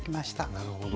なるほど。